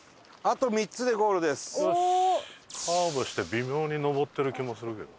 カーブして微妙に上ってる気もするけど。